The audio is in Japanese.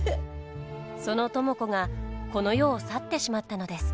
その知子がこの世を去ってしまったのです。